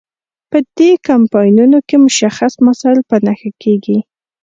په دې کمپاینونو کې مشخص مسایل په نښه کیږي.